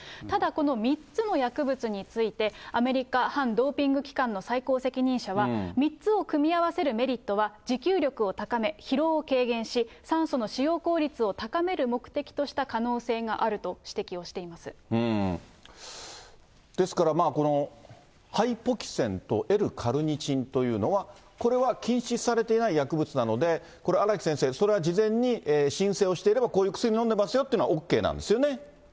ただこの３つの薬物について、アメリカ反ドーピング機関の最高責任者は、３つを組み合わせるメリットは、持久力を高め、疲労を軽減し、酸素の使用効率を高める目的とした可能性があると指摘をしていまですから、このハイポキセンとＬーカルニチンというのは、これは禁止されていない薬物なので、これ、荒木先生、それは事前に申請をしていれば、こういう薬飲んでますよっていうのは、ＯＫなんですよね？